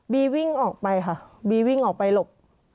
วิ่งออกไปค่ะบีวิ่งออกไปหลบ